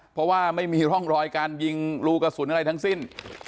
เพราะว่าไม่มีร่องรอยการยิงรูกระสุนอะไรทั้งสิ้น